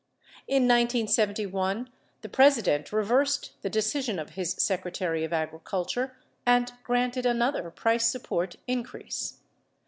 In 1971, the President reversed the decision of his Secretary of Agriculture and granted another price support increase.